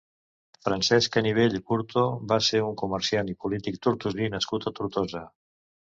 Francesc Canivell i Curto va ser un comerciant i polític tortosí nascut a Tortosa.